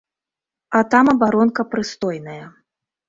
А там абаронка прыстойная.